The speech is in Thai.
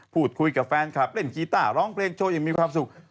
พูดคุยกับแฟนคลับเล่นกีต้าร้องเพลงโชว์อย่างมีความสุข